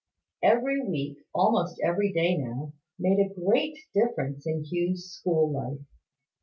Every week, almost every day now, made a great difference in Hugh's school life.